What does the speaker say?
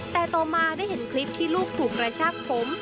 แต่ต่อมาได้เห็นคลิปที่ลูกถูกกระชากผม